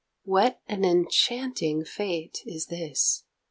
What an enchanting fate is this!